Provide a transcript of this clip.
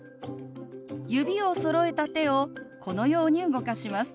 指をそろえた手をこのように動かします。